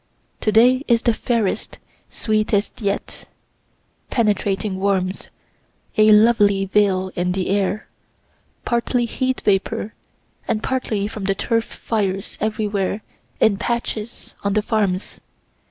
To day is the fairest, sweetest yet penetrating warmth a lovely veil in the air, partly heat vapor and partly from the turf fires everywhere in patches on the farms.